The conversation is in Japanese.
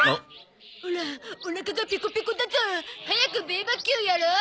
オラおなかがぺこぺこだゾ。早くベーバキューやろう！